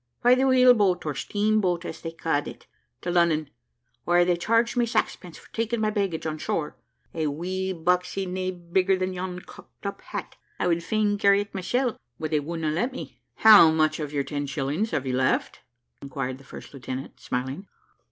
"By the wheel boat, or steam boat, as they ca'd it, to Lunnon: where they charged me sax pence for taking my baggage on shore a wee boxy nae bigger than yon cocked up hat. I would fain carry it mysel', but they wudna let me." "How much of your ten shillings have you left?" inquired the first lieutenant, smiling.